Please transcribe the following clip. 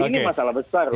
ini masalah besar